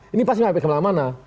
ini pasti kemana mana